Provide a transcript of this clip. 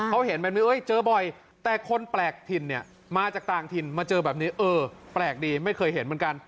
เขาเห็นแบบนี้เจอบ่อยแต่คนแปลกถิ่นเนี่ยมาจากต่างถิ่นมาเจอแบบนี้เออแปลกดีไม่เคยเห็นเหมือนกัน